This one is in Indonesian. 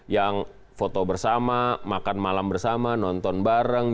yang foto bersama makan malam bersama nonton bareng